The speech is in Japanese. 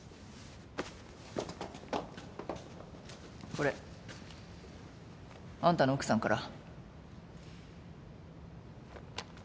これあんたの奥さんから。